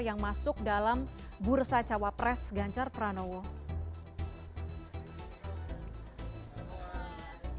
yang masuk dalam bursa cawa pres ganjar perancis